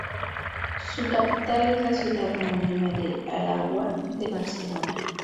Su capital es la ciudad homónima de Aragua de Barcelona.